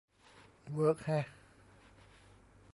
เวิร์กแฮะ